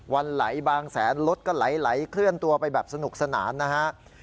วันไหลบางแสนรถก็ไหลเคลื่อนตัวไปแบบสนุกสนานนะฮะ